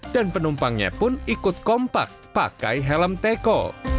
dan penumpangnya pun ikut kompak pakai helm teko